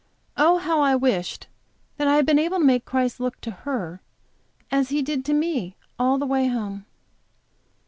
Oh, how I wished that I had been able to make Christ look to her as He did to me all the way home.